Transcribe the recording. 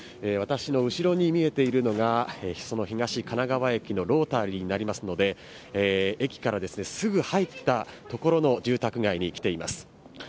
私の後ろに見えているのが東神奈川駅のロータリーになりますので駅からすぐ入った所の住宅街にきています。